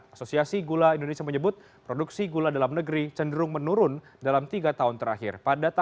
asosiasi gula indonesia menyebut produksi gula dalam negeri cenderung menurun dalam tiga tahun terakhir